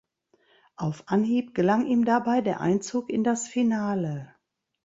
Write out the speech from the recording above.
Auf Anhieb gelang ihm dabei der Einzug in das Finale.